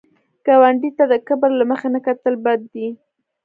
ګاونډي ته د کبر له مخې نه کتل بد دي